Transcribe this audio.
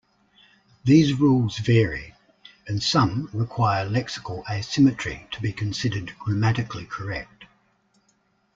These rules vary, and some require lexical asymmetry to be considered grammatically correct.